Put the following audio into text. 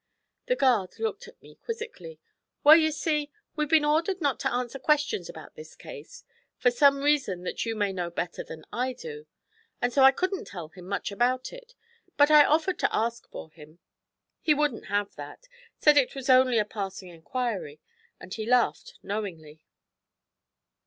The guard looked at me quizzically. 'Well, you see, we've been ordered not to answer questions about this case, for some reason that you may know better than I do; and so I couldn't tell him much about it, but I offered to ask for him. He wouldn't have that; said it was only a passing inquiry,' and he laughed knowingly.